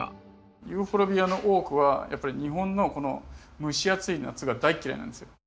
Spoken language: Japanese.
ユーフォルビアの多くはやっぱり日本のこの蒸し暑い夏が大嫌いなんですよ。